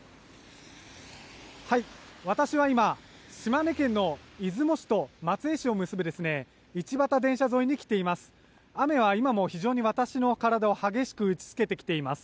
私は今、島根県の出雲市と松江市を結ぶ電車沿いに来ています。